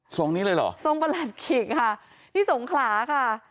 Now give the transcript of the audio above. นี้เลยเหรอทรงประหลัดขีกค่ะที่สงขลาค่ะ